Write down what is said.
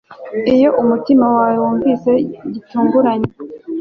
iyo umutima wawe wunvise gitunguranye